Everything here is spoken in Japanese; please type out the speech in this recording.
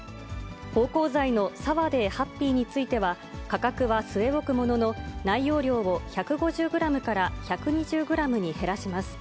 芳香剤のサワデーハッピーについては、価格は据え置くものの、内容量を１５０グラムから１２０グラムに減らします。